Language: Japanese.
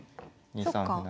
２三歩成。